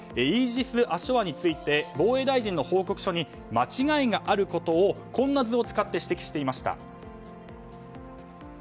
イージス・アショアについて防衛省の報告書に間違いがあることをこんな図を使って指摘していました。